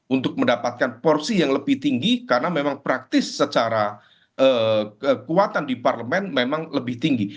untuk mendapatkan porsi yang lebih tinggi karena memang praktis secara kekuatan di parlemen memang lebih tinggi